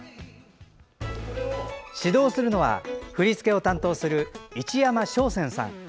指導するのは振り付けを担当する市山松扇さん。